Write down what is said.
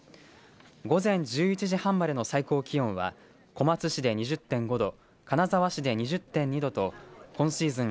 午前１１時半までの最高気温は小松市で２０．５度金沢市で２０．２度と今シーズン